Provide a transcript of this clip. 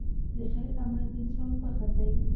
د خیر عمل د انسان فخر دی.